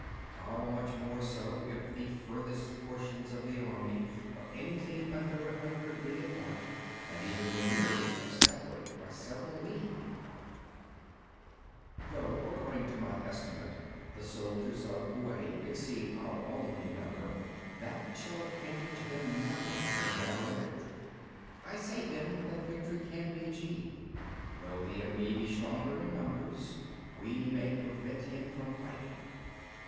How much more so if the furthest portions of the army are anything under a hundred li apart, and even the nearest are separated by several li! 21. Though according to my estimate the soldiers of Yüeh exceed our own in number, that shall advantage them nothing in the matter of victory. I say then that victory can be achieved. 22. Though the enemy be stronger in numbers, we may prevent him from fighting.